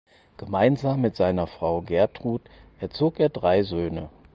Gemeinsam mit seiner Frau Gertrud erzog er drei Söhne.